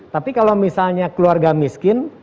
tapi kalau misalnya keluarga miskin